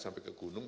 sampai ke gunung